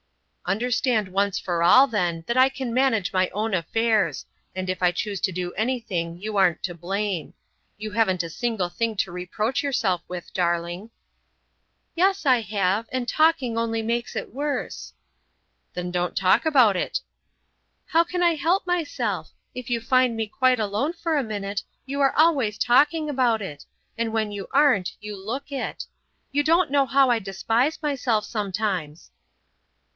"Understand once for all, then, that I can manage my own affairs, and if I choose to do anything you aren't to blame. You haven't a single thing to reproach yourself with, darling." "Yes, I have, and talking only makes it worse." "Then don't talk about it." "How can I help myself? If you find me alone for a minute you are always talking about it; and when you aren't you look it. You don't know how I despise myself sometimes."